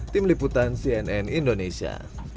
tim liputan cnn indonesia